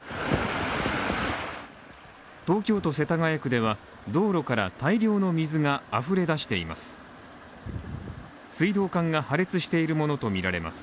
東京都世田谷区では、道路から大量の水があふれ出しています。